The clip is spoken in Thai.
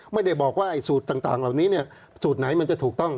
ไม่ได้บอกว่าไอมาสูตรต่างเหล่านี้สูตรไหนจะถูกต้อง